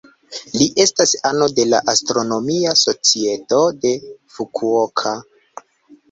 Li estas ano de la Astronomia Societo de Fukuoka.